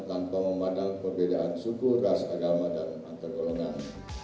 tanpa memandang perbedaan suku ras agama dan antar golongan